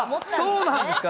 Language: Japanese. そうなんですか？